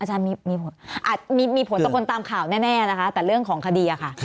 อาจารย์มีผลอาจมีผลต่อคนตามข่าวแน่นะคะแต่เรื่องของคดีอะค่ะ